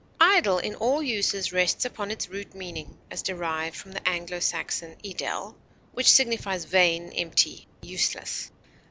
Idle in all uses rests upon its root meaning, as derived from the Anglo Saxon idel, which signifies vain, empty, useless.